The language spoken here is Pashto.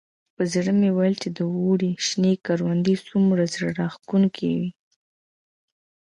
په زړه مې ویل چې د اوړي شنې کروندې څومره زړه راښکونکي وي.